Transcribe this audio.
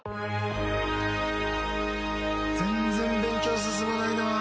全然勉強進まないなぁ。